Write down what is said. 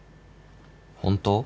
本当？